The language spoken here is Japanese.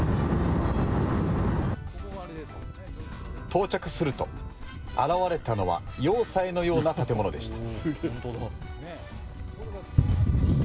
到着すると現れたのは、要塞のような建物でした。